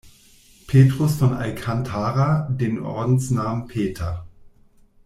Petrus von Alcantara den Ordensnamen Peter.